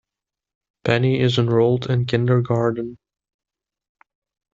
Benny is enrolled in kindergarten.